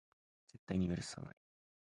絶対に許さない